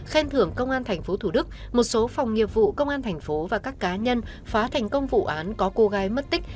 khen thưởng công an tp thủ đức một số phòng nghiệp vụ công an thành phố và các cá nhân phá thành công vụ án có cô gái mất tích